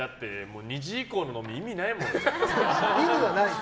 ２時以降の飲み意味ないもん。